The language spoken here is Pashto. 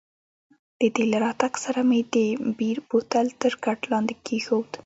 د دې له راتګ سره مې د بیر بوتل تر کټ لاندې کښېښود.